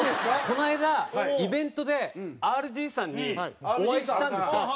この間イベントでＲＧさんにお会いしたんですよ。